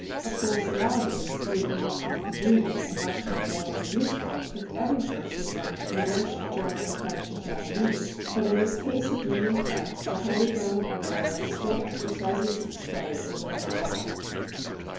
Of course, nowadays, it would be much more convenient and much more generally useful if every person learnt English, German, French, and Japanese, but in this case of naming plants, the Holy Roman Empire still exercises its sway over the whole world.